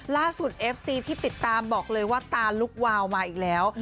เอฟซีที่ติดตามบอกเลยว่าตาลุกวาวมาอีกแล้ว